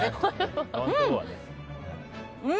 うん！